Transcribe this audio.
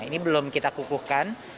ini belum kita kukuhkan